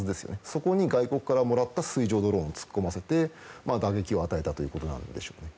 そこで外国からもらった水上ドローンを突っ込ませて打撃を与えたということなんでしょうね。